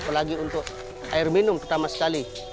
apalagi untuk air minum pertama sekali